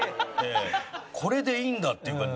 これでいいんだっていうか